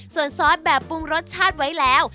ส่วนซอสแบบปรุงรสชาติไว้แล้ว